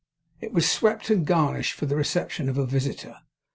It was swept and garnished for the reception of a visitor.